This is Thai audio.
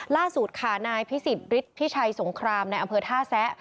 ล่าสุดค่ะนายพิสิทธิฤทธิพิชัยสงครามในอำเภอท่าแซะ